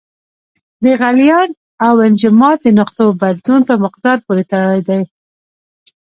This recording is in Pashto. د غلیان او انجماد د نقطو بدلون په مقدار پورې تړلی دی.